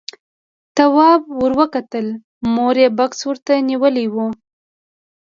تواب ور وکتل، مور يې بکس ورته نيولی و.